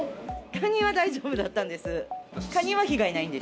カニは大丈夫だったんです。